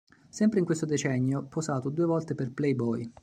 Sempre in questo decennio ha posato due volte per Playboy.